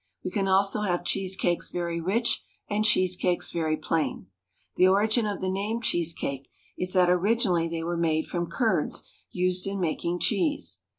We can also have cheese cakes very rich and cheese cakes very plain. The origin of the name cheese cake is that originally they were made from curds used in making cheese.